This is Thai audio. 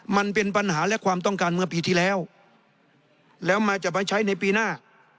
มันเป็นปัญหาและความต้องการเมื่อปีที่แล้วแล้วมาจะไปใช้ในปีหน้า